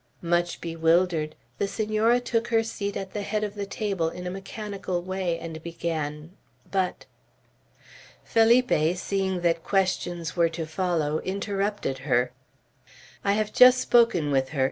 Much bewildered, the Senora took her seat at the head of the table in a mechanical way, and began, "But " Felipe, seeing that questions were to follow, interrupted her: "I have just spoken with her.